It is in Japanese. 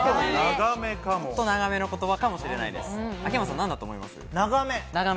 ちょっと長めの言葉かもしれないです。